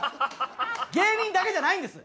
芸人だけじゃないんです。